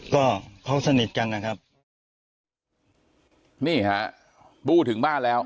ก็เขาสนิทกันนะครับนี่ฮะบู้ถึงบ้านแล้ว